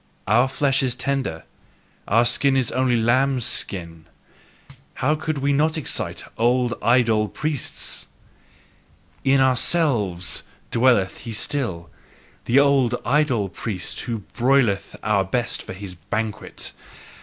Our flesh is tender, our skin is only lambs' skin: how could we not excite old idol priests! IN OURSELVES dwelleth he still, the old idol priest, who broileth our best for his banquet.